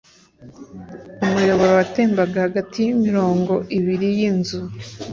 Umuyoboro watembaga hagati y'imirongo ibiri y'amazu.